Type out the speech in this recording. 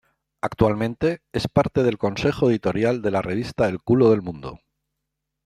Actualmente es parte del consejo editorial de la revista "El Culo del Mundo".